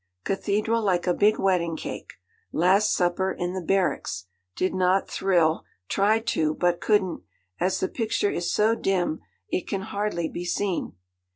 Cathedral like a big wedding cake. "Last Supper" in the barracks did not "thrill;" tried to, but couldn't, as the picture is so dim it can hardly be seen.